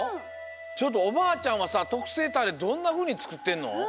ちょっとおばあちゃんはさとくせいタレどんなふうにつくってんの？